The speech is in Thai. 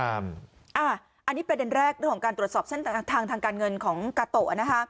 อันนี้ประเด็นแรกเรื่องของการตรวจสอบเส้นทางทางการเงินของกาโตะ